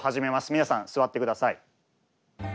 皆さん座ってください。